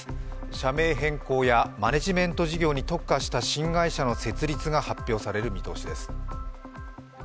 社名の変更やマネジメント事業に特化した新会社の設立が発表される見通しです